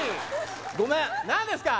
ごめん何ですか！